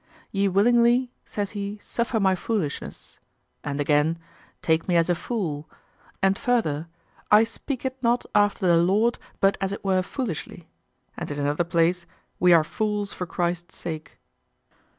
"Ye willingly," says he, "suffer my foolishness," and again, "Take me as a fool," and further, "I speak it not after the Lord, but as it were foolishly," and in another place, "We are fools for Christ's sake."